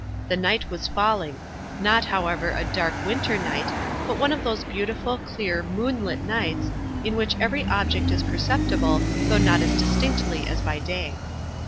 The night was falling; not, however, a dark, winter night, but one of those beautiful, clear, moonlight nights, in which every object is perceptible, though not as distinctly as by day.